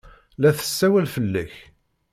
La tessawal fell-ak.